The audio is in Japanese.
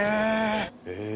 へえ。